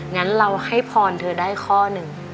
งั้นเราให้พรเธอได้ข้อหนึ่ง